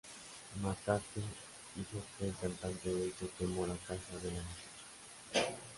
McCartney dijo que el cantante de hecho quemó la casa de la muchacha.